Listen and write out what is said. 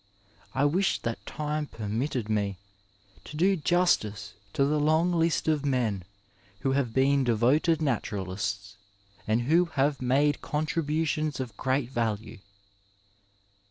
I wish that time permitted me to do justice to the long list of men who have been devoted naturalists and who have made contributions of great value.